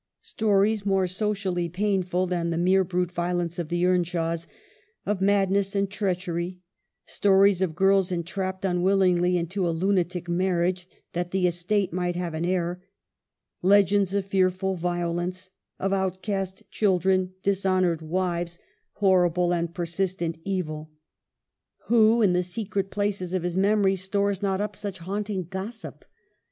Stories more socially painful than the mere brute violence of the Earnshaws ; of mad ness and treachery, stories of girls entrapped un willingly into a lunatic marriage that the estate might have an heir ; legends of fearful violence, of outcast children, dishonored wives, horrible i WUTHERING HEIGHTS: 215 and persistent evil. Who, in the secret places of his memory, stores not up such haunting gossip